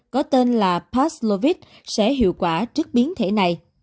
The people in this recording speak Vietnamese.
có tên là passlovit sẽ hiệu quả trước biến thể này